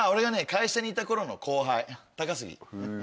会社にいた頃の後輩高杉。